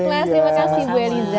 terima kasih bu elisa